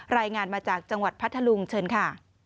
รายงานมาจากจังหวัดพัทธลุงเชิญค่ะ